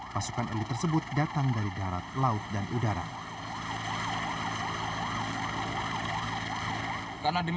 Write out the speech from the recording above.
pasukan elit tersebut datang dari darat laut dan udara